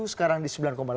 sekarang di sembilan delapan